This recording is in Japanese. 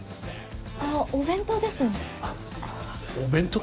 あっお弁当ですねあっお弁当？